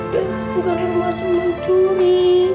dave bukan ada masa mencuri